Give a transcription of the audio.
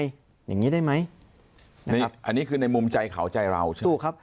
อย่างงี้ได้ไหมในอันนี้คือในมุมใจเขาใจเราใช่ไหมถูกครับ